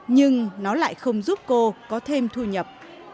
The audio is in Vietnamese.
nhưng nó lại không giúp cô có thêm thu nhập